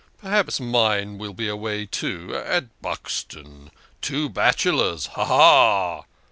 Perhaps mine will be away, too at Buxton. Two bachelors, ha ! ha ! ha